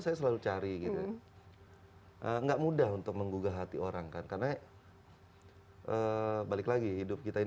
saya selalu cari gitu enggak mudah untuk menggugah hati orang kan karena balik lagi hidup kita ini